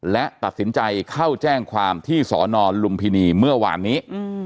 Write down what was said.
และตัดสินใจเข้าแจ้งความที่สนลุมพินีเมื่อวานนี้